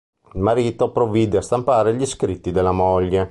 Il marito provvide a stampare gli scritti della moglie.